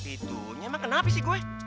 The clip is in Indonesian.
itunya mah kenapa sih gue